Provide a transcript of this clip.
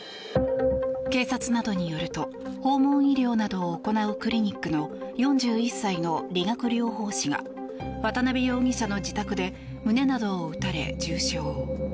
警察などによると訪問医療などを行うクリニックの４１歳の理学療法士が渡邊容疑者の自宅で胸などを撃たれ重傷。